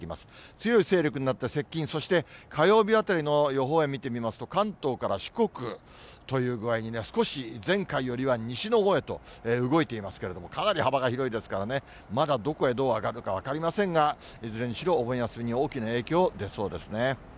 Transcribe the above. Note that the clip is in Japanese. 強い勢力になって接近、そして火曜日あたりの予報円見てみますと、関東から四国という具合にね、少し前回よりは西のほうへと動いていますけれども、かなり幅が広いですからね、まだどこへどうあがるか分かりませんが、いずれにしろ、お盆休みに大きな影響出そうですね。